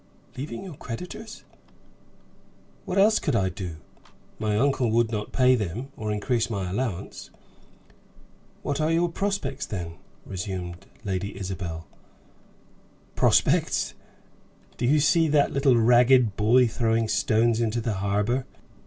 "Leaving your creditors?" "What else could I do? My uncle would not pay them, or increase my allowance." "What are your prospects then?" resumed Lady Isabel. "Prospects! Do you see that little ragged boy throwing stones into the harbor?